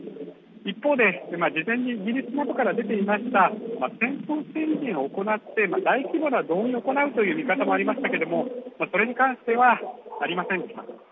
一方で、事前にイギリスなどから出ていました、戦闘宣言などを行って大規模な動員を行うという予想もありましたけれどもそれもありませんでした。